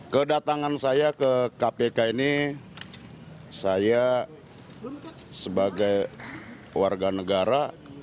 kedatangan saya ke kpk ini saya sebagai warga negara